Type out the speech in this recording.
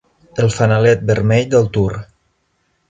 El fanalet vermell del Tour.